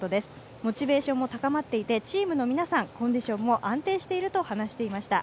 モチベーションも高まっていて、チームの皆さんコンディションも安定していると話していました。